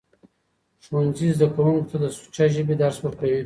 ښوونځي زدهکوونکو ته د سوچه ژبې درس ورکوي.